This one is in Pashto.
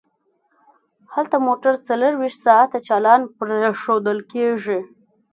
هلته موټر څلور ویشت ساعته چالان پریښودل کیږي